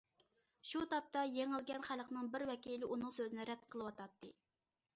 شۇ تاپتا يېڭىلگەن خەلقنىڭ بىر ۋەكىلى ئۇنىڭ سۆزىنى رەت قىلىۋاتاتتى.